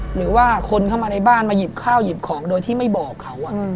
หรือว่าคนเข้ามาในบ้านมาหยิบข้าวหยิบของโดยที่ไม่บอกเขา